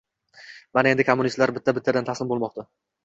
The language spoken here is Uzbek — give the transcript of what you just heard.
— Mana endi, kommunistlar bitta-bittadan taslim bo‘lmoqda.